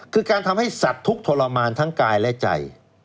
คือการทำให้สัตว์ทุกข์ทรมานทั้งกายและใจ